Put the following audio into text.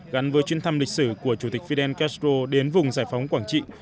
gắn với chuyến thăm lịch sử của chủ tịch fidel castro đến vùng giải phóng quảng trị